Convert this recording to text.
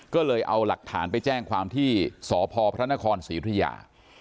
ก็เลยเอาหลักฐานไปแจ้งความที่สพพระนครศรีธุยา